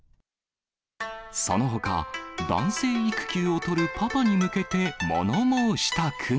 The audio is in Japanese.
そのほか、男性育休を取るパパに向けて物申した句も。